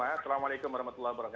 assalamualaikum wr wb